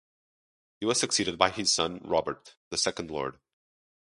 He was succeeded by his son, Robert, the second Lord.